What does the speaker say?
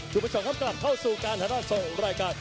ทุกผู้ชมกับกลับเข้าสู่การทดสอบรายการ